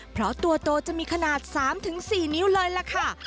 เพราะตัวโตจะมีขนาด๓๔นิ้วเลยล่ะค่ะ